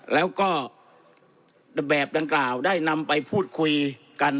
แล้วก็แบบดังกล่าวได้นำไปพูดคุยกัน